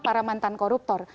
para mantan koruptor